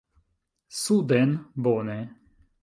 “Suden”, bone.